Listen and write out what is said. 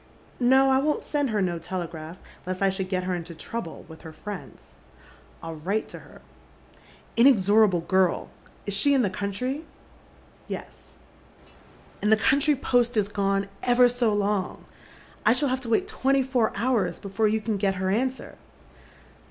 " No, I won't send her no telegrafts, lest I should get her into trouble with her friends. I'll write to her." " Inexorable girll Is she va the country ?"" Yea." At Arm'ii Length. 119 And the country post is gone ever so long. I shall Lave to wait twenty four hours before you can get her answer."